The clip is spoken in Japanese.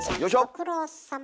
ご苦労さま。